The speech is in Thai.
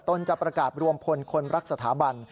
จะประกาศรวมพลคนรักสถาบัน